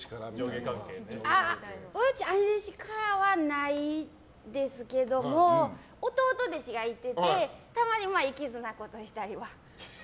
兄弟子からはないですけど弟弟子がいててたまに、いけずなことしたりは。